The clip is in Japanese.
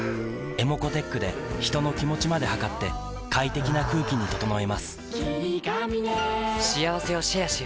ｅｍｏｃｏーｔｅｃｈで人の気持ちまで測って快適な空気に整えます